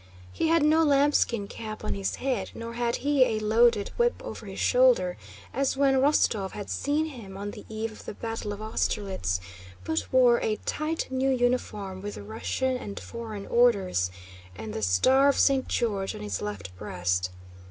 He had no lambskin cap on his head, nor had he a loaded whip over his shoulder, as when Rostóv had seen him on the eve of the battle of Austerlitz, but wore a tight new uniform with Russian and foreign Orders, and the Star of St. George on his left breast.